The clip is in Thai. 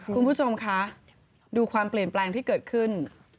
คุณผู้ชมคะดูความเปลี่ยนแปลงที่เกิดขึ้น